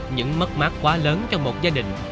những mất mát quá lớn trong một gia đình